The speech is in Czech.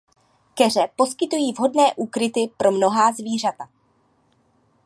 Keře poskytují vhodné úkryty pro mnohá zvířata.